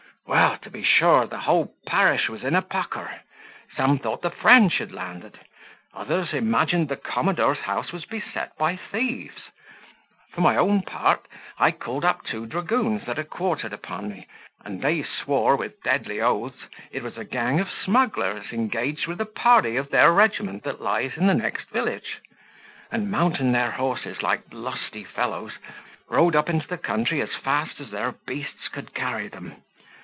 Well, to be sure the whole parish was in a pucker: some thought the French had landed; others imagined the commodore's house was beset by thieves; for my own part, I called up two dragoons that are quartered upon me, and they swore, with deadly oaths, it was a gang of smugglers engaged with a party of their regiment that lies in the next village; and mounting their horses like lusty fellows, rode up into the country as fast as their beasts could carry them.